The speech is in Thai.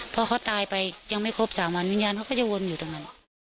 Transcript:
พอเขาตายไปยังไม่ครบ๓วันวิญญาณเขาก็จะวนอยู่ตรงนั้น